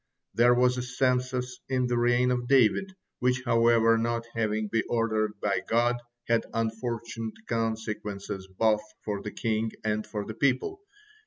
There was a census in the reign of David, which, however, not having been ordered by God, had unfortunate consequences both for the king and for the people.